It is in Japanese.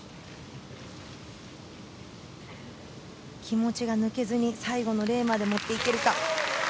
気持ちが抜けずに最後の礼まで持っていきました。